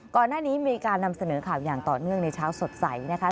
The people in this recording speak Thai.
ก่อนหน้านี้มีการนำเสนอข่าวอย่างต่อเนื่องในเช้าสดใสนะคะ